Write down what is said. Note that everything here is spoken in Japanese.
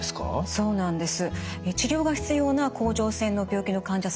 そうなんです。